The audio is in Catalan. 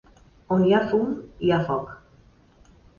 On hi ha fum, hi ha foc.